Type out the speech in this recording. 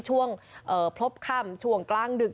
ช่วงพบค่ำช่วงกลางดึก